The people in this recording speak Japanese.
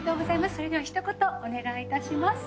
それではひと言お願いいたします。